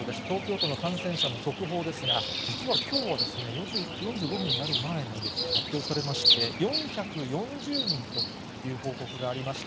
東京都の感染者の速報ですが、実はきょうは４時４５分になる前に発表されまして、４４０人という報告がありました。